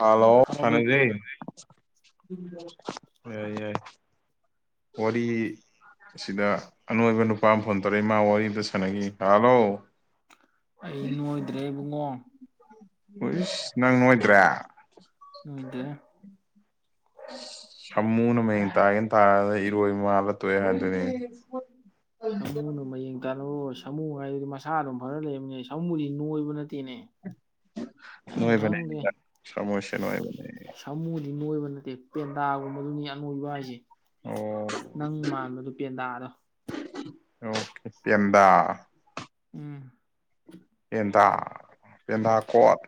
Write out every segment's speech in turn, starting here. Hello ꯍꯥꯎ ꯐꯅꯦꯖꯤ baby ꯌꯥꯏ ꯌꯥꯏ ꯋꯥꯔꯤ ꯑꯁꯤꯗ ꯑꯅꯣꯏꯕ ꯄꯥꯝ ꯐꯣꯟ ꯇꯧꯔꯛꯏ ꯏꯃ ꯋꯥꯔꯤꯗꯨ ꯁꯥꯟꯅꯒꯤ ꯍꯜꯂꯣ ꯑꯩ ꯅꯣꯏꯗ꯭ꯔꯦ ꯏꯕꯨꯡꯉꯣ ꯏ ꯏꯁ ꯅꯪ ꯅꯣꯏꯣꯏꯗ꯭ꯔꯦ ꯃꯤꯗ ꯁꯃꯨꯅ ꯃ ꯏꯇꯦꯟ ꯇ ꯏꯔ ꯏꯃꯂ ꯇ ꯍꯥꯏ ꯑꯗꯨꯅꯤ ꯀꯅꯣ ꯁꯃꯨ ꯍꯥꯏꯗꯨꯗꯤ ꯃꯁꯥ ꯑꯗꯨꯝ ꯐꯔ ꯂꯩꯔꯕꯅꯤꯅꯦ ꯁꯃꯨꯗꯤ ꯅꯣꯏꯕ ꯅꯠꯇꯦꯅꯦ ꯎꯝ ꯅꯪ ꯅꯣꯏꯕꯅꯤ ꯈꯪꯗꯦ ꯁꯃꯁꯦ ꯅꯣꯏꯕ ꯁꯥꯃꯨꯗꯤ ꯅꯣꯏꯕ ꯅꯠꯇꯦ ꯄꯦꯟꯗꯥꯒꯨꯝꯕꯗꯨꯅꯤ ꯑꯉ ꯑꯣꯏꯕ ꯍꯥꯏꯁꯦ ꯑꯣ ꯅꯪ ꯃꯥꯟꯕꯗꯨꯣ ꯄꯦꯟꯗꯥꯥꯛ ꯑꯗꯣ ꯑꯣꯄꯦꯟꯗ ꯎꯝ ꯄꯦꯟꯗꯥ ꯄꯦꯟꯗꯥ ꯀꯣꯠ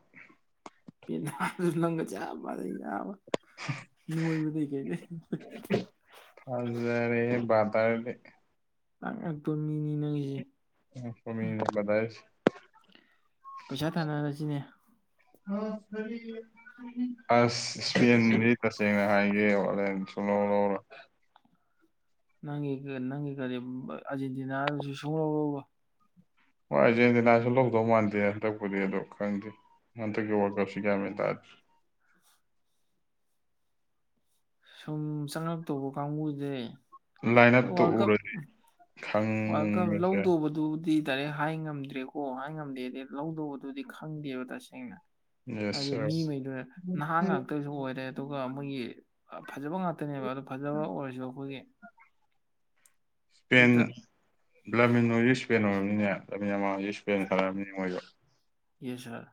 ꯄꯅꯣꯉ ꯆ ꯑꯕ ꯅꯨꯡꯣꯏꯕꯗꯩ ꯀꯩꯗꯩ [unintelligible] [unintelligible] ꯐꯃꯤ ꯕꯥꯏ ꯕꯥꯏ ꯄꯩꯁꯥ ꯊꯥꯅꯔꯁꯤꯅꯦ ꯑꯁ [unintelligible] ꯁꯦꯡꯅ ꯍꯥꯏꯒꯦ [unintelligible] ꯅꯪꯒꯤ ꯅꯪꯒꯤ ꯀꯔꯤ ꯑꯥꯔꯖꯦꯟꯇꯤꯅꯥꯗꯁꯨ [unintelligible] ꯍꯣꯏ ꯑꯥꯔꯖꯦꯟꯇꯤꯅꯥꯁꯨ ꯂꯧꯗꯧ ꯃꯥꯟꯗꯦ ꯍꯟꯗꯛꯄꯨꯗꯤ ꯑꯗꯨ ꯈꯪꯗꯦ ꯍꯟꯗꯛꯀꯤ ꯋꯥꯔꯀꯞꯁꯤ ꯀꯌꯥꯃꯦꯟ ꯇꯥꯗꯦ ꯁꯨꯝ ꯆꯪꯉꯛꯇꯧꯕ ꯀꯥꯡꯕꯨꯁꯦ ꯍꯣꯏ ꯂꯥꯏꯅꯥꯇꯣ ꯋꯥꯔꯜ ꯀꯞ ꯎꯔꯁꯤ ꯋꯥꯔꯜ ꯀꯞ ꯈꯪꯉꯁꯦ ꯂꯧꯗꯧꯕꯗꯨꯕꯨꯗꯤ ꯗꯥꯏꯔꯦꯛ ꯍꯥꯏ ꯉꯝꯗ꯭ꯔꯦꯀꯣ ꯍꯥꯏ ꯉꯝꯗꯦꯗ ꯂꯧꯗꯧꯕꯗꯨꯗꯤ ꯈꯪꯗꯦꯕ ꯇꯁꯦꯡꯅ ꯌꯦꯁ ꯍꯥꯏꯗꯤ ꯁꯔ ꯃꯤꯉꯩꯗꯨꯅꯦ ꯅꯍꯥꯟ ꯉꯥꯛꯇꯁꯨ ꯑꯣꯏꯔꯦ ꯑꯗꯨꯒ ꯃꯣꯏꯒꯤ ꯐꯖꯕ ꯉꯇ ꯇꯅꯦꯕ ꯑꯗꯣ ꯐꯖꯕ ꯑꯣꯏꯔꯁꯨ ꯑꯩꯈꯣꯏꯒꯤ [unintelligible] ꯍꯦꯛꯇ ꯀꯩꯅ ꯑꯣꯏꯔꯝꯅꯤꯅꯦ ꯑꯃ ꯏꯁꯄꯦꯟ ꯈꯜꯅꯤ ꯃꯣꯏꯗꯣ ꯌꯦꯁꯔ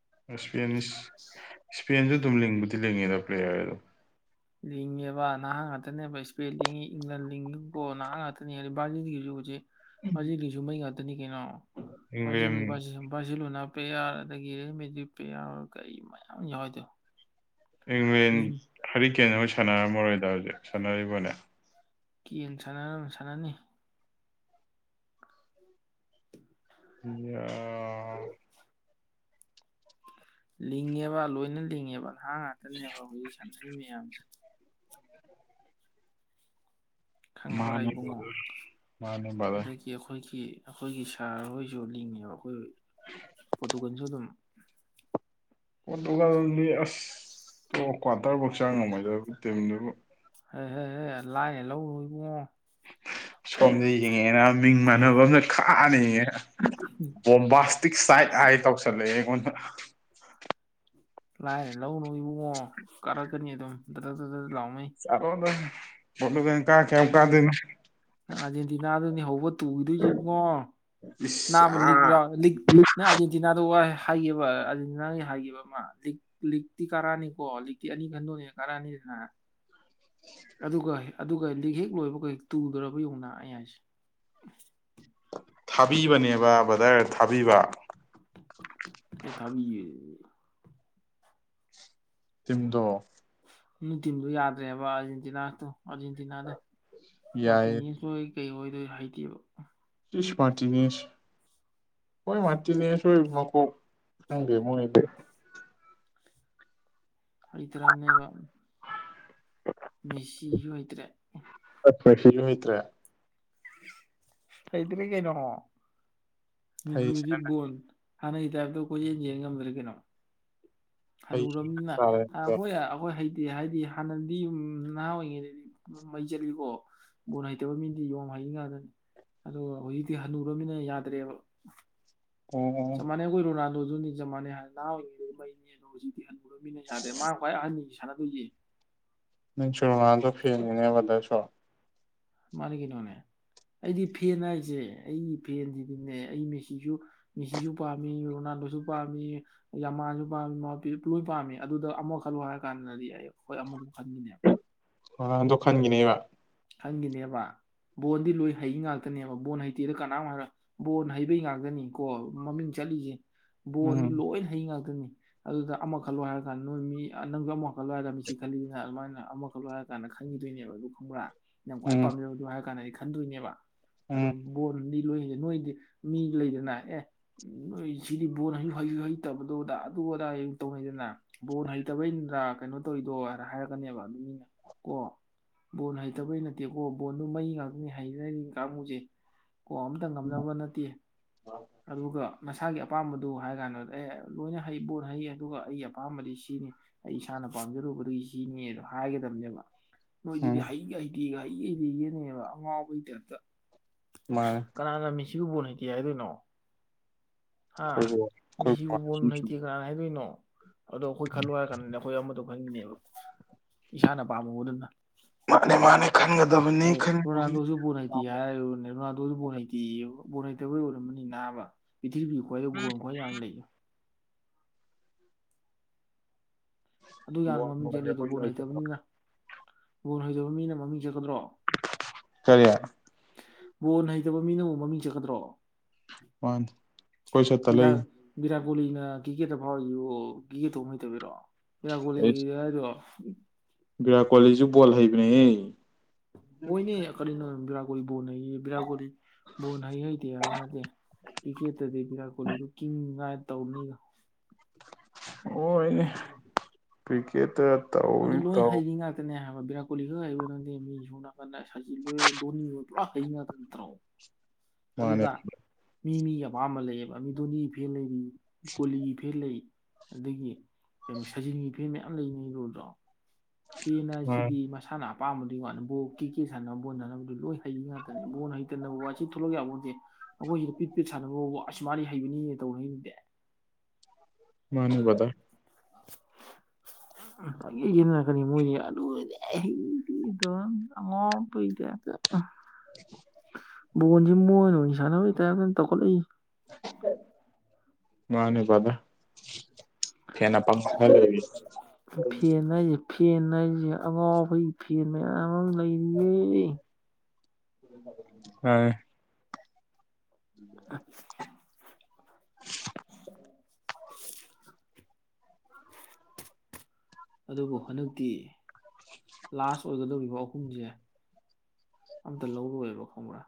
[unintelligible] ꯏꯁꯄꯦꯟꯁꯨ ꯑꯗꯨꯝ ꯂꯤꯡꯕꯕꯨꯗꯤ ꯂꯤꯡꯉꯦꯗ ꯄ꯭ꯂꯦꯌꯔ ꯑ ꯑꯗꯨ ꯂꯤꯡꯉꯦꯕ ꯅꯍꯥꯟ ꯉꯥꯛꯇꯅꯦꯕ ꯏꯁꯄꯦꯟ ꯂꯤꯡꯉꯤ ꯏꯪꯂꯦꯟ ꯂꯤꯡꯉꯤꯀꯣ ꯅꯍꯥꯟ ꯉꯥꯛꯇꯅꯦ ꯍꯥꯏ ꯕꯥꯔꯖꯤꯟꯒꯤꯁꯨ ꯍꯧꯁꯦ ꯍꯧꯖꯤ ꯀꯁꯨꯨ ꯃ ꯌꯥꯗ ꯏꯪꯂꯦꯟ ꯂꯨꯅ ꯄꯦꯌꯥꯔ ꯑꯗꯒꯤ ꯔꯦꯃꯦꯗꯤ ꯄꯦꯌꯥꯔ ꯀꯩ ꯃꯌꯥꯝ ꯌꯥꯎ ꯍꯥꯏꯗꯣ ꯃ ꯍꯔ ꯀꯦꯅ ꯁꯥꯟꯅꯔꯝꯃꯔꯣꯏꯗ ꯍꯧꯖꯤꯛ ꯁꯥꯟꯅꯔꯤꯕꯅꯦ ꯀ ꯁꯥꯟꯅꯔ ꯁꯥꯟꯅꯅꯤ ꯑ ꯂꯤꯡꯉꯦꯕ ꯂꯣꯏꯅ ꯂꯤꯡꯉꯦꯕ ꯍꯕꯕꯨ ꯁꯥꯟ ꯁꯤ ꯃꯌꯥꯝꯁꯤ ꯈꯪꯉꯕꯔꯥ ꯃꯥꯅꯤ ꯏꯕꯨꯡꯉꯣ ꯃꯥꯅꯤ ꯃꯥꯗ ꯑꯗꯒꯤ ꯑꯩꯈꯣꯏꯒꯤ ꯑꯩꯈꯣꯏꯒꯤ ꯁꯥꯔ ꯍꯣꯏꯁꯨ ꯂꯤꯡꯉꯦꯕ ꯑꯩꯈꯣꯏ ꯄꯨꯗꯨ ꯀ ꯆ ꯑꯗꯨꯝ ꯄꯣꯇꯨꯒꯜ ꯑꯁ ꯀ꯭ꯋꯥꯇꯔꯐꯧ ꯆꯥꯡ ꯅꯨꯡꯉꯥꯏꯖꯕ ꯇꯤꯝꯅꯦꯕꯨ ꯍ ꯍꯦ ꯍꯦ ꯂꯥꯏ ꯍꯜꯂꯧ ꯍꯣꯏꯕ ꯁꯣꯝꯗ ꯌꯦꯡꯉꯦꯅ ꯃꯤꯡ ꯃꯥꯟꯅꯕ ꯑꯝꯇ ꯈꯥꯟꯅ ꯌꯦꯡꯉꯦꯅ ꯕꯣꯝꯕꯥꯁꯇꯤꯛ ꯁꯥꯏꯠ ꯍꯥꯏ ꯇꯧꯁꯜꯂꯛꯑꯦ ꯑꯣ ꯂꯥꯏꯔꯦ ꯂꯧꯅꯨ ꯏꯕꯨꯡꯉꯣ ꯀꯥꯔꯛꯀꯅꯤ ꯑꯗꯨꯝ ꯗ꯭ꯔ ꯗ ꯂ ꯑꯔꯣ ꯋꯥꯂꯣ ꯦꯡ ꯀꯥ ꯀꯌꯥꯧ ꯅꯪ ꯀꯥꯗꯅ ꯍ ꯇꯨꯈꯤꯗꯣꯏꯁꯤꯕꯨꯡꯉꯣ ꯏꯁ ꯅꯥꯕ ꯑꯥ ꯂꯤꯛ꯭ꯔ ꯂꯤꯛ ꯅꯪ ꯑꯥꯔꯖꯦꯟꯇꯤꯅꯥꯗ ꯋꯥꯏ ꯍꯥꯏ ꯑꯅꯥꯒꯤ ꯍꯥꯏꯈꯤꯕ ꯑꯃ ꯂꯤꯛ ꯂꯤꯛꯇꯤ ꯀꯔꯥꯅꯤꯀꯣ ꯂꯤꯛꯇꯤ ꯑꯅꯤ ꯈꯟꯗꯣꯛꯅꯦ ꯀꯔꯥꯅꯤꯗꯅ ꯑꯗꯨꯒ ꯂꯤꯛ ꯍꯦꯛ ꯂꯣꯏꯕꯒꯦꯛ ꯇꯨꯗꯕ ꯌꯧꯅ ꯑꯩꯌꯥꯁꯦ ꯊꯥꯕꯤꯕꯅꯦꯕ ꯕꯖꯥꯔ ꯊꯥꯕꯤꯕ ꯀꯩ ꯊꯥꯕꯤ ꯇꯨꯡꯗꯣ ꯅꯨꯡꯇꯤꯟꯗꯨ ꯌꯥꯗ꯭ꯔꯦꯕ ꯑꯥꯔꯖꯦꯟꯇꯤꯅꯥꯛꯇꯣ ꯑꯥꯔꯖꯦꯟꯇꯤꯅꯥꯗꯣ ꯌꯥꯏꯌꯦ ꯃꯥꯅꯤ ꯂꯣꯏ ꯀꯩ ꯑꯣꯏꯗꯣꯏ ꯍꯥꯏꯗꯦꯕ ꯆꯁ ꯃꯥꯇꯅꯤꯁ ꯍꯣꯏ ꯃꯥꯇꯅꯤꯁ ꯍꯣꯏ ꯃꯥꯀꯣ ꯊꯪꯗꯦ ꯃꯣꯏꯗ ꯑꯩ ꯇꯔꯝꯅꯦꯕ ꯃꯤꯦꯁꯤ ꯁꯣꯏꯗ꯭ꯔꯦ ꯐ꯭ꯔꯃꯤꯇ꯭ꯔ ꯀꯩꯗꯔ ꯀꯩꯅꯃꯣ ꯃꯖꯤ ꯃꯖꯤ ꯍꯩꯁꯤꯅ ꯕꯣꯟ ꯍꯥꯟꯅꯒꯤ ꯇꯥꯏꯞꯇꯣ ꯑꯩ ꯀꯣꯏ ꯌꯦꯟ ꯌꯦꯟ ꯉꯝꯗ꯭ꯔꯔꯤ ꯀꯩꯅꯣ ꯍꯩꯁꯤꯅ ꯍꯅꯨꯔꯝꯅꯤꯅ ꯇꯥꯔꯦ ꯍꯣꯏ ꯑꯩꯈꯣꯏ ꯍꯥꯏꯗꯤ ꯍꯥꯟꯅꯗꯤ ꯅꯍꯥ ꯑꯣꯏꯔꯤꯉꯩꯗꯗꯤ ꯃꯩ ꯆꯠꯂꯤꯀꯣ ꯒꯣꯟ ꯍꯩꯇꯕ ꯃꯤꯗꯤ ꯌꯣꯡ ꯍꯩꯅꯤꯡ ꯉꯥꯛꯇꯅꯤ ꯑꯗꯨꯒ ꯍꯧꯖꯤꯛꯇꯤ ꯍꯜꯟꯅꯔꯕꯃꯤꯅ ꯌꯥꯗ꯭ꯔꯦꯕ ꯑꯣ ꯆꯃꯅꯦꯅ ꯀꯣꯏ ꯔꯣꯅꯥ ꯑꯗꯨ ꯖ ꯃꯥꯟꯅꯦ ꯍꯥꯏ ꯅꯍ ꯑꯣꯏ ꯃꯩꯅꯦ ꯍꯧꯖꯤꯛꯇꯤ ꯃꯥ ꯍꯣꯏ ꯑꯅꯤ ꯈꯂ ꯇꯏꯦ ꯅꯪ ꯁꯨꯔꯃꯥꯟꯗ ꯐꯦꯉꯅꯦꯕꯗꯁꯨꯣ ꯃꯥꯅꯤ ꯀꯩꯅꯣꯅꯦ ꯑꯩꯗꯤ ꯐꯦꯟ ꯍꯥꯏꯁꯦ ꯑꯩꯒꯤ ꯐꯦꯟꯁꯤꯗꯤꯅꯦ ꯑꯩ ꯃꯦꯁꯤꯁꯨ ꯃꯦꯁꯤꯁꯨ ꯄꯥꯝꯃꯤ ꯔꯣꯅꯥꯜꯗꯣꯁꯨ ꯄꯥꯝꯃꯤ ꯌꯥꯃꯥꯟꯁꯨ ꯄꯥꯝꯃꯤ ꯂꯣꯏ ꯄꯥꯝꯃꯤ ꯑꯗꯨꯗ ꯑꯃ ꯈꯜꯂꯣ ꯍꯥꯏꯔ ꯀꯥꯟꯗꯗꯤ ꯑꯩ ꯑꯩꯈꯣꯏ ꯑꯃ ꯑꯗꯨꯝ ꯈꯟꯈꯤꯅꯦ ꯑꯗꯣ ꯈꯥꯟꯒꯤꯅꯦꯕ ꯈꯪꯈꯤꯅꯦꯕ ꯕꯣꯟꯗꯤ ꯂꯣꯏ ꯍꯩ ꯉꯥꯛꯇꯅꯦꯕ ꯕꯣꯟ ꯍꯩꯇꯦꯗ ꯀꯅꯥꯝ ꯍꯥꯏꯔ ꯕꯣꯟ ꯍꯩꯕꯩ ꯉꯥꯛꯇꯅꯤꯀꯣ ꯃꯃꯤꯡ ꯆꯠꯂꯤꯁꯦ ꯕꯣꯟꯗꯤ ꯎꯝ ꯂꯣꯏꯅ ꯍꯩ ꯉꯥꯛꯇꯣꯏꯅꯤ ꯑꯗꯨꯗ ꯑꯃ ꯈꯜꯂꯣ ꯍꯥꯏꯔꯀꯥꯟꯗ ꯅꯣꯏ ꯃꯤ ꯅꯪꯁꯨ ꯑꯃ ꯈꯜꯂꯣ ꯍꯥꯏꯔ ꯃꯤꯁꯤ ꯈꯜꯂꯤꯁꯤꯅ ꯑꯗꯨꯃꯥꯏꯅ ꯑꯃꯈꯜꯂꯣ ꯍꯥꯏꯔꯀꯥꯟꯗ ꯈꯪꯈꯤꯗꯣꯏꯅꯦꯕ ꯑꯗꯨ ꯈꯪꯕ꯭ꯔꯥ ꯌꯥꯝ ꯀ ꯈ꯭ꯋꯥꯏ ꯎꯝ ꯄꯥꯝꯃꯤꯕ ꯑꯗꯨ ꯍꯥꯏ ꯀꯥꯟꯗ ꯑꯩ ꯈꯟꯗꯣꯏꯅꯦꯕ ꯑꯗꯨꯗ ꯎꯝ ꯣꯜ ꯃꯤ ꯂꯣꯏꯗꯦ ꯅꯣꯏꯗꯤ ꯃꯤ ꯂꯩꯗꯅ ꯑꯦ ꯅꯣꯏ ꯁꯤꯗꯤ ꯕꯣꯟꯩ ꯍꯩ ꯍꯩꯇꯕꯗꯨꯣꯗꯥ ꯑꯗꯨ ꯑꯗꯥꯡ ꯇꯧꯅꯩꯗꯅ ꯕꯣꯟ ꯍꯩꯇꯕꯩꯩꯅꯗ꯭ꯔꯥ ꯀꯩꯅꯣ ꯇꯧꯔꯤꯗꯣ ꯍꯥꯏꯔ ꯍꯥꯏꯔꯛꯀꯅꯦꯕ ꯑꯗꯨ ꯃꯤꯅ ꯀꯣ ꯕꯣꯟ ꯐꯠꯇꯕꯩ ꯅꯠꯇꯦꯀꯣ ꯕꯣꯟꯗꯨ ꯃꯩ ꯉꯥꯛꯇꯅꯤ ꯍꯩꯔ ꯍꯔꯤ ꯀꯥꯡꯕꯨꯁꯦ ꯀꯣ ꯑꯃꯝꯇ ꯉꯝꯅꯕ ꯅꯠꯇꯦ ꯑꯗꯨꯒ ꯃꯁꯥꯒꯤ ꯑꯄꯥꯝꯕꯗꯨ ꯍꯥꯏ ꯀꯥꯟꯗ ꯑꯦ ꯂꯣꯏꯅ ꯍꯩ ꯕꯣꯠ ꯍꯩ ꯑꯗꯨꯒ ꯑꯩꯒꯤ ꯑꯄꯥꯝꯕꯗꯤ ꯁꯤꯅꯤ ꯑꯩ ꯏꯁꯥꯅ ꯄꯥꯝꯖꯔꯨꯕꯗꯨꯒꯤ ꯁꯤꯅꯤꯗ ꯍꯥꯏꯒꯗꯕꯅꯦꯕ ꯅꯣꯏꯗꯤ ꯎꯝ ꯍꯥꯏꯏꯒ ꯀꯤꯒꯒꯤ ꯂꯤꯒꯅꯦꯕ ꯑꯉꯥꯎꯕꯒꯤ ꯇꯥꯏꯞꯇ ꯃꯥꯅꯦ꯫ ꯁꯤ ꯎꯕꯣꯅꯤ ꯀ ꯍꯥꯏꯗꯣꯏꯅꯣ ꯍꯥ ꯑꯩꯈꯣꯏꯕꯨ ꯑꯩꯈꯣꯏꯕꯨ ꯃꯤꯦꯁꯤꯕꯨꯕ ꯁꯨꯝ ꯁꯨꯝ ꯍꯩꯇꯦ ꯀꯅ ꯍꯥꯏꯗꯣꯏꯅꯣ ꯑꯗꯣ ꯑꯩꯈꯣꯏ ꯈꯜꯂ ꯍꯥꯏ ꯀꯥꯟꯗꯅꯦ ꯑꯩꯈꯣꯏ ꯑꯃꯗ ꯑꯣꯏꯒꯤꯅꯦꯕ ꯏꯁꯥꯅ ꯄꯥꯝꯃꯨꯕꯗꯨꯅ ꯃꯥꯅꯦ ꯃꯥꯅꯦ ꯑ ꯈꯟꯒꯗꯕꯅꯤ ꯈꯟꯒꯗꯕꯅꯤ ꯔꯣꯅꯥꯟꯗꯣꯁꯨ ꯄꯨꯅꯥꯤ ꯍꯥꯏꯔ ꯔꯣꯅꯥꯗꯣꯁꯨ ꯄꯨꯅꯇ ꯕ ꯂꯩꯇꯕꯩ ꯑꯣꯏꯔꯝꯃꯅꯤ ꯅꯥꯕ ꯄ꯭ꯔꯤꯊꯤꯕꯤ ꯈ꯭ꯋꯥꯏꯗ ꯕꯣꯟ ꯈ꯭ꯋꯥꯏ ꯌꯥꯝ ꯂꯩ ꯑꯗꯨ ꯌꯥꯝꯅ ꯃꯃꯤꯡ ꯆꯠꯂꯤ ꯑꯗꯨ ꯕꯣꯜ ꯍꯩꯇꯕꯅꯤꯅ ꯒꯣꯜ ꯍꯩꯗꯕ ꯃꯤꯅ ꯃꯃꯤꯡ ꯆꯠꯀꯗ꯭ꯔꯣ ꯁꯔꯤ ꯀꯩꯇꯕ ꯃꯤꯅ ꯑꯃꯨꯛ ꯃꯃꯤꯡ ꯆꯠꯀꯗ꯭ꯔꯣ ꯋꯥꯟ ꯀꯣꯏ ꯁꯠꯇ ꯂꯩ ꯀꯕꯣꯂꯤꯅ ꯀꯤꯀꯦꯠꯇ ꯐꯥꯎꯔꯏꯨꯣ ꯀꯤꯛꯀꯦꯠꯇꯨ ꯍꯩ ꯇꯧꯕꯤꯔꯛꯑꯣ ꯒꯣꯂ ꯑꯦꯁ ꯌꯦ ꯍꯥꯏꯔꯣ ꯕꯤꯔꯥꯠ ꯀꯣꯍꯂꯤꯁꯨ ꯕꯣꯜ ꯍꯩꯕꯅꯦꯍ ꯍꯣꯏꯅꯦ ꯀꯔꯤꯅ ꯔ ꯣꯟ ꯍꯩ ꯔꯠ ꯣꯔꯤ ꯣꯟ ꯍꯩ ꯍꯗꯦ ꯑꯕꯅꯗꯤꯦ ꯏꯒꯤ ꯗꯤ ꯔꯥꯠ ꯀꯣꯍꯂ ꯂꯨꯛꯀꯤꯡ ꯔ ꯇꯧꯅꯤꯕ ꯑꯣꯅꯦ ꯀ꯭ꯀꯦꯠ ꯑꯗꯨ ꯂꯣꯏ ꯍꯩꯅꯤ ꯉꯥꯛꯇꯅꯦ ꯍꯥꯏꯕ ꯔꯥꯠ ꯀꯍꯂꯤ ꯈ ꯃꯤꯁꯨ ꯁ ꯄꯨ ꯍꯩ ꯇ꯭ꯔꯣ ꯃꯥꯅꯦ ꯃꯤ ꯃꯤꯒꯤ ꯑꯄꯥ ꯑꯃ ꯂꯩꯌꯦꯕ ꯃꯤ ꯗꯣꯅꯤ ꯐꯦꯟ ꯂꯩꯔꯤ ꯀꯣꯂꯤꯒꯤ ꯐꯤ ꯂꯩ ꯑꯗꯒꯤ ꯀꯩꯅꯣ ꯁꯖꯤꯟꯒꯤ ꯐꯤꯦꯟ ꯃꯌꯥꯝ ꯂꯩꯅꯤ ꯔꯣꯜꯗꯣ ꯐꯤꯅ ꯖꯤꯗꯤ ꯃꯁꯥꯅ ꯑꯄꯥꯝꯕꯗꯨꯒꯤ ꯋꯥꯅꯤ ꯕ ꯀꯦ ꯀꯦ ꯁꯥꯟꯅꯕ ꯕꯣꯜ ꯁꯥꯟꯅꯕꯗꯨ ꯂꯣꯏ ꯍꯩ ꯉꯥꯛꯇꯅꯦ ꯕꯣꯜ ꯍꯩꯇꯅꯕ ꯋꯥ ꯁꯤ ꯊꯣꯛꯂꯛ ꯌꯥꯕꯗꯤꯦ ꯑꯩꯈꯣꯏ ꯁꯤꯗ ꯄꯤꯠ ꯄꯤꯠ ꯁꯥꯟꯅꯕꯕ ꯑꯁꯨꯃꯗꯤ ꯍꯩꯕꯅꯤ ꯇꯧꯅꯗꯤ ꯃꯥꯅꯤ ꯄꯊ ꯌꯦꯒꯅ ꯆꯀꯅꯤ ꯃꯣꯏꯗꯤ ꯑꯗꯨ ꯑꯣꯏꯔꯗꯤ ꯑꯩꯗꯤ ꯑꯗꯨꯝ ꯑꯉꯥꯎꯄꯩꯗꯦ [unintelligible] ꯐꯣꯟꯁꯤ ꯃꯣꯏ ꯑꯣꯏꯅ ꯁꯥꯟꯅꯕꯩ ꯇꯔꯞ ꯀꯅ ꯇꯧꯈꯠꯂꯛꯏ ꯃꯥꯅꯦ ꯄꯗ ꯐꯦꯟꯅ ꯄꯥꯡꯈꯩ ꯐꯦꯟ ꯍꯥꯏꯁꯦ ꯐꯦꯟ ꯍꯥꯏꯁꯦ ꯑꯉꯥꯎꯕꯒꯤ ꯐꯦꯟ ꯃꯌꯥꯝ ꯂꯩꯔꯤꯌꯦ ꯑ [unintelligible] [unintelligible] ꯎꯝ ꯑꯗꯨꯕꯨ ꯍꯟꯗꯛꯇꯤ ꯂꯥꯁ ꯑꯣꯏꯒꯗ ꯂ ꯑꯍꯨꯝꯁꯦ ꯑꯝꯇ ꯂꯧꯔꯣꯏꯕ ꯈꯪꯕ꯭ꯔꯥ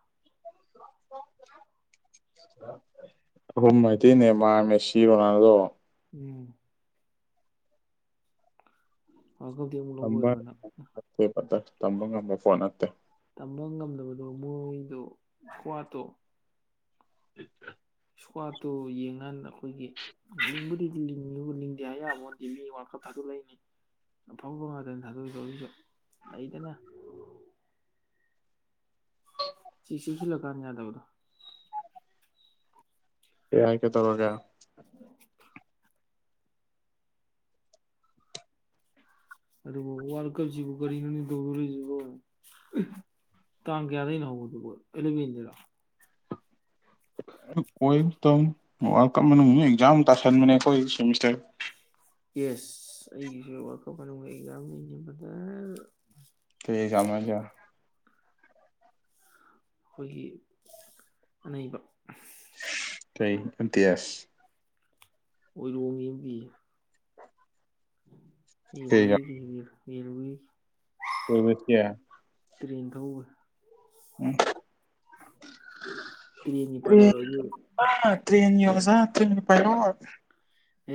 ꯍ ꯃꯩꯗꯤꯅꯦ ꯃꯥ ꯃꯦꯁꯤꯣꯅꯥꯗꯣ ꯎꯝ ꯋꯥꯔꯜ ꯀꯞꯇꯤ ꯑꯃꯨꯛ ꯑꯝꯕ ꯂꯧꯔꯣꯏꯕꯅ ꯄꯠꯇ ꯇꯝꯕ ꯉꯝꯕ ꯄꯣꯠ ꯅꯠꯇꯦ ꯇꯝꯕ ꯉꯝꯗꯕꯗꯨꯣ ꯃꯣꯏꯗꯨ ꯀ꯭ꯋꯥꯠꯇꯣ ꯑ ꯁ꯭ꯠꯇꯣ ꯌꯦꯡꯉꯥꯟ ꯑꯩꯈꯣꯏꯒꯤ ꯂꯤꯡꯕꯨꯗꯤ ꯅꯤꯡꯗꯦ ꯍꯥꯏ ꯌꯥꯕꯗꯤ ꯃꯤ ꯋꯥꯀꯞ ꯊꯥꯗꯣꯛꯂꯛꯏꯅꯤ ꯑꯐꯥꯎꯕ ꯉꯥꯛꯇꯅꯤ ꯊꯥꯗꯣꯛꯏꯕ ꯑꯩꯁꯨ ꯂꯩꯗꯅ ꯁꯤꯁꯤꯁꯤꯜꯂꯛꯀꯥꯟꯗ ꯌꯥꯗꯕꯗꯣ ꯌꯥ ꯌꯥꯏ ꯀꯦ ꯇꯧꯔꯣꯒ ꯑꯗꯨꯕꯨ ꯋꯥꯔꯜ ꯀꯞꯁꯤꯕꯨ ꯀꯔꯤꯅꯣꯅꯤ ꯇꯧꯗꯣꯔꯤꯁꯤꯕꯣ ꯇꯥꯡ ꯀꯌꯥꯗꯒꯤꯩꯅ ꯍꯧꯕꯗꯨꯕꯣ ꯑꯦꯂꯚꯦꯟꯗꯔ ꯋꯥ ꯀ ꯑꯦꯛꯖꯝ ꯇꯣꯏ ꯌꯦꯁ ꯑꯩꯒꯤꯁꯨ ꯑꯀꯅꯤꯡ ꯑꯦꯛꯖꯥꯝ ꯂꯩꯅꯦ ꯕꯗꯔ ꯑꯩ ꯁꯃꯖ ꯑꯩꯈꯣꯏꯒꯤ ꯑꯅꯩꯕ ꯇ ꯏꯝꯇꯤꯍꯁ ꯑꯣꯏꯔꯣꯡ ꯌꯦꯡꯕꯤꯌꯦ ꯌꯦꯂꯦꯒꯤ ꯏꯔꯋꯏ ꯀꯕꯠꯇꯌꯥ ꯇ꯭ꯔꯦꯟ ꯊꯧꯕ ꯎꯝ ꯇ꯭ꯔꯦꯟꯒꯤ ꯄꯥꯏꯂꯣꯠ ꯑꯣꯏꯗꯣꯏꯕ ꯇ ꯇ꯭ꯔꯦ ꯌ ꯆ ꯄꯥꯏꯔ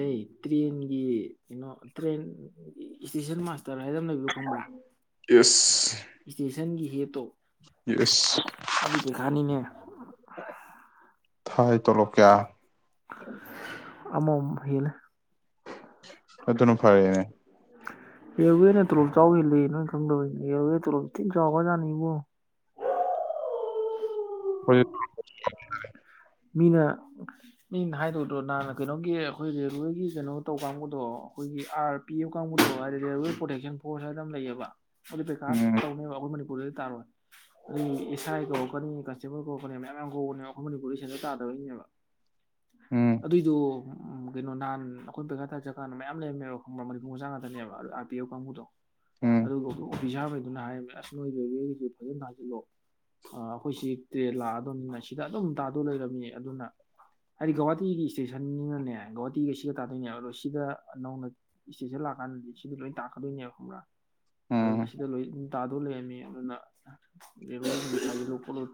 ꯑꯩ ꯇ꯭ꯔꯦꯟꯒꯤ ꯀꯩꯅꯣ ꯇ꯭ꯔꯦꯟ ꯏꯁꯇꯦꯁꯟ ꯃꯥ ꯇꯔ ꯍꯥꯏꯥꯏꯗ ꯂꯩꯕ ꯈꯕ꯭ꯔꯥ ꯏꯁꯇꯦꯁꯟꯒꯤ ꯌꯦ ꯇꯣ ꯌꯁ ꯄꯩꯈꯥꯅꯤꯅꯦ ꯊꯥꯏ ꯇꯣꯂꯣ ꯀꯌꯥ ꯑꯃꯣ ꯍꯂ ꯑ ꯑꯗꯨꯅ ꯐꯔꯦꯅꯦ ꯑꯦꯔꯋꯦꯅ ꯇꯣꯂꯣꯞ ꯆꯥꯎ ꯍꯜꯂꯤ ꯅꯣꯏ ꯈꯪꯗꯕꯅꯦ ꯑꯦꯔꯋꯦ ꯇꯣꯂꯣꯞ ꯊꯤ ꯆꯥꯎꯕꯖꯥꯠꯅꯤ ꯏꯕꯨꯣ ꯍꯣꯏ ꯃꯤꯅ ꯃꯤꯅ ꯍꯥꯏꯗꯧꯗꯣ ꯅꯍꯥꯟꯅ ꯀꯩꯅꯣꯒꯤ ꯑꯩꯈꯣꯏ ꯔꯦꯜꯋꯦꯒꯤ ꯀꯩꯅꯣ ꯇꯧ ꯀꯥꯡꯕꯨꯗꯣ ꯑꯩꯈꯣꯏꯒꯤ ꯑꯥꯔ ꯄꯤ ꯑꯦꯐ ꯀꯥꯡꯕꯨꯗꯣ ꯍꯥꯏꯗꯤ ꯔꯦꯜꯋꯦ ꯄ꯭ꯔꯣꯇꯦꯛꯁꯟ ꯐꯣꯔꯁ ꯍꯥꯏꯅ ꯑꯃ ꯂꯩꯌꯦꯕ ꯑꯗꯨ ꯎꯝ ꯀꯥꯁ ꯇꯥꯔꯣꯏ ꯑꯩ ꯑꯦꯁ ꯑꯥꯏ ꯀꯧꯀꯅꯤ ꯀꯟꯁꯇꯦꯕꯜ ꯀꯧꯀꯅꯤ ꯃꯌꯥꯝ ꯀꯅꯤ ꯑꯩꯈꯣꯏ ꯃꯅꯤꯄꯨ ꯟꯗ ꯇꯥꯗꯧꯣꯏꯅꯦꯕ ꯎꯝ ꯑꯗꯨꯏꯗ ꯎ ꯀꯩꯅꯣ ꯅꯍꯥꯟ ꯑꯩꯈꯣꯏ ꯕꯀꯥꯗ ꯖꯒꯥꯥꯟꯅ ꯃꯌꯥꯝ ꯂꯩꯔꯝꯃꯦꯕ ꯃꯅꯤꯄꯨꯔ ꯃꯆꯥꯥꯡ ꯉꯥꯛꯇꯅꯦꯕ ꯑꯥꯔ ꯄꯤ ꯑꯣ ꯀꯥꯡꯕꯨꯗꯣ ꯎꯝ ꯑꯗꯨ ꯀ ꯐ ꯁꯥꯥꯈꯩꯗꯨꯅ ꯍꯥꯏꯔꯝꯃꯦ ꯑꯁ ꯅꯣꯏ ꯋꯦꯒꯤꯁꯤ ꯐꯖꯅ ꯊꯥꯁꯤꯜꯂꯣ ꯑꯩꯈꯣꯏꯁꯤ ꯇ꯭ꯔꯦꯟ ꯂꯥꯛꯑꯗꯧꯅꯤꯅ ꯁꯤꯗ ꯑꯗꯨꯝ ꯑꯗꯨ ꯂꯩꯔꯝꯃꯤ ꯑꯗꯨꯅ ꯑꯔꯤ ꯒꯋꯥ ꯇ ꯌꯦꯅꯤꯁꯤ ꯏꯁꯇꯦꯁꯟꯅꯅꯦ ꯒꯧꯍꯥꯇꯤꯒ ꯁꯤꯒ ꯇꯥꯗꯣꯏꯅꯦꯕ ꯑꯗꯣ ꯁꯤꯗ ꯅꯧꯅ ꯏꯁꯇꯦꯁꯟ ꯂꯥꯛꯑꯀꯥꯟꯗꯗꯤ ꯁꯤꯗ ꯂꯣꯏ ꯇꯥꯛꯀꯗꯣꯏꯅꯦꯕ ꯈꯪꯕ꯭ꯔꯥ ꯎꯝ ꯑꯗꯨꯅ ꯁꯤꯗ ꯂꯣꯏ ꯑꯗꯨ ꯇꯥꯗꯧ ꯂꯩꯔꯝꯃꯤ ꯑꯗꯨ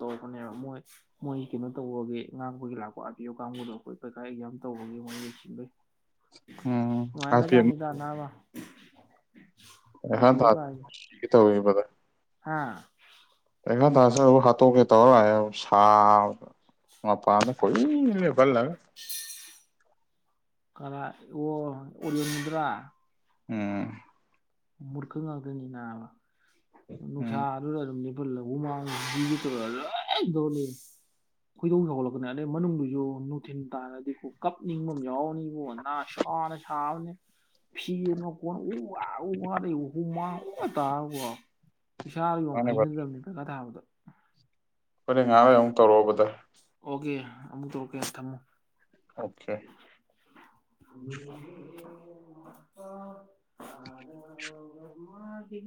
ꯇ ꯀ ꯃꯣꯏ ꯃꯣꯏ ꯀꯩꯅꯣ ꯇꯧꯕꯒꯒꯤ ꯉꯥꯡꯕꯒꯤ ꯂꯥꯛꯄ ꯑꯥꯄꯤꯌꯣ ꯀꯥꯡꯕꯨꯗꯣꯈꯣꯏ ꯄꯩꯈꯥ ꯑꯦꯛꯒ ꯌꯥꯝ ꯇꯧꯕꯒꯒꯤ ꯃꯣꯏ ꯌꯦꯡꯁꯤꯟꯕꯩ ꯎꯝ ꯃꯒ ꯆꯅꯤ ꯇꯅꯥ ꯋꯥ ꯑꯦ ꯍ ꯇ ꯑꯦꯐ ꯀꯥꯏꯁꯦ ꯇꯧꯏ ꯄ ꯍꯥ ꯄꯈꯥ ꯇꯥꯁꯦ ꯑꯃꯨꯛ ꯍꯥꯠꯇꯣꯛꯀꯦ ꯇꯧꯔ ꯁꯥ ꯃꯄꯥꯟꯗ ꯀꯨꯏ ꯐꯜꯂ ꯀꯥ ꯑꯣ ꯑꯣꯔꯤꯌꯣꯟ ꯅꯕ꯭ꯔꯥ ꯎꯝ ꯃꯔꯈ ꯉꯥꯛꯗꯅꯤꯅ ꯎꯝ ꯅꯅꯨꯡꯁꯥ ꯑꯗꯨꯔ ꯑꯗꯨ ꯍꯥꯜꯂꯃꯥꯡ ꯇꯧꯔ ꯂꯣꯏ ꯇꯧꯔ ꯈꯣꯏꯗꯧ ꯆꯥꯎꯒꯠꯂꯛꯀꯅꯤ ꯑꯗꯩ ꯃꯅꯨꯡꯗꯨꯁꯨ ꯅꯨꯡꯊꯤꯟꯜ ꯇꯥꯔꯗꯤꯀꯣ ꯀꯞꯅꯤꯡꯕ ꯑꯃ ꯌꯥꯎꯔꯅꯤꯕꯣ ꯅꯥ ꯁꯥꯅ ꯁꯥꯕꯅꯤ ꯐꯤ ꯑꯃ ꯀꯣꯟꯅ ꯎ ꯋꯥꯗ ꯑꯣꯍ ꯃꯥ ꯇ ꯏꯁꯥ ꯌꯣ ꯃꯥꯅꯦ ꯕ꯭ꯔꯗꯔ ꯍꯩꯅꯗꯕꯅꯦ ꯀꯀꯥ ꯊꯥꯕꯗꯣ ꯍꯣꯔꯦꯟ ꯉꯥꯏꯥꯍꯣꯏ ꯑꯃꯨꯛ ꯇꯧꯔꯛꯎꯕꯗ ꯑꯣꯀꯦ ꯑꯃꯨꯛꯇ ꯑꯣꯀꯦ ꯊꯝꯃꯨ ꯑꯣꯀꯦ ꯑꯗ ꯃꯥꯒꯤ